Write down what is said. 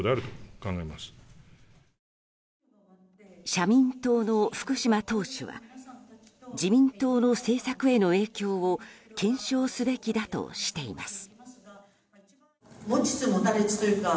社民党の福島党首は自民党の政策への影響を検証すべきだとしています。